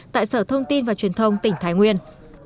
tại sở thông tin và truyền thông tỉnh thái nguyên